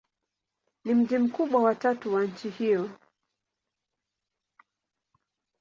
Ni mji mkubwa wa tatu wa nchi hiyo.